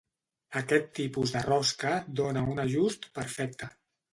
Aquest tipus de rosca dóna un ajust perfecte.